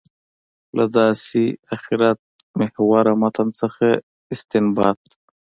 له داسې آخرت محوره متن څخه استنباط ده.